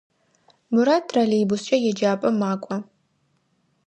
Мурат троллейбускӏэ еджапӏэм макӏо.